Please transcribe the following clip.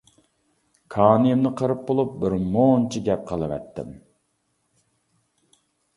كانىيىمنى قىرىپ بولۇپ بىرمۇنچە گەپ قىلىۋەتتىم.